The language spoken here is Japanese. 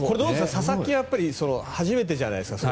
佐々木は初めてじゃないですか？